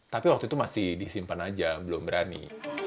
tapi waktu itu masih disimpan aja belum berani